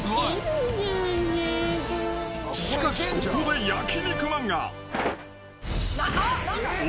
［しかしここで焼肉マンが］